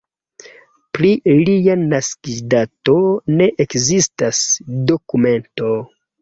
Pri lia naskiĝdato ne ekzistas dokumento.